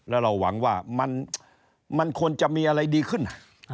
แล้วเราหวังว่ามันควรจะมีอะไรดีขึ้น